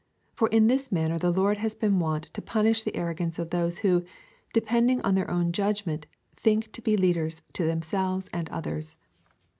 For in this manner the Lord has been wont to punish the arrogance of those who, depending on their own judgment, think to be leaders to themselves and others.